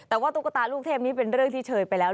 แต่ว่าตุ๊กตาลูกเทพนี้เป็นเรื่องที่เชยไปแล้ว